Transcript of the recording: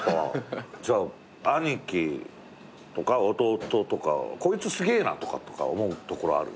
じゃあ兄貴とか弟とかこいつすげえなとか思うところある？